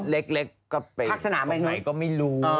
เล็กเล็กก็ไปตรงไหนก็ไม่รู้